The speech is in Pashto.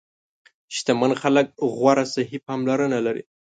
شتمن خلک غوره صحي پاملرنه لري.